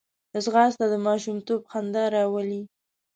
ځغاسته د ماشومتوب خندا راولي